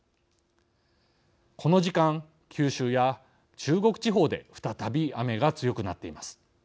この時間、九州や中国地方で再び雨が強くなっています。